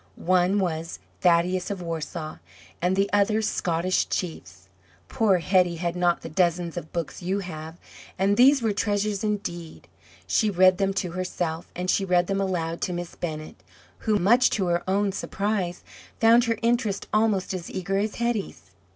One was "Thaddeus of Warsaw," and the other "Scottish Chiefs." Poor Hetty had not the dozens of books you have, and these were treasures indeed. She read them to herself, and she read them aloud to Miss Bennett, who, much to her own surprise, found her interest almost as eager as Hetty's.